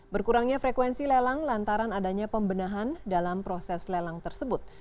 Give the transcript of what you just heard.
berkurangnya frekuensi lelang lantaran adanya pembenahan dalam proses lelang tersebut